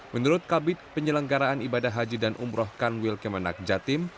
menurut kabit penyelenggaraan ibadah haji dan umroh kanwil kemenak jatim